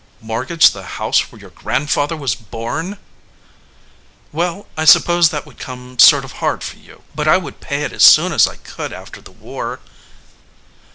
"Mortgage the house where your grandfather was born !" 15 217 EDGEWATER PEOPLE "Well, I suppose that would come sort of hard for you, but I would pay it as soon as I could after the war."